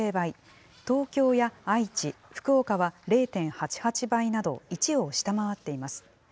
東京や愛知、福岡は０．８８倍など、１を下回っています。